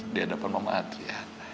di hadapan mama hati ya